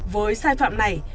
với sai phạm này